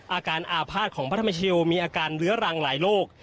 อาการอาภาษณ์ของพระธรรมชโยมีอาการเลื้อรังหลายโรค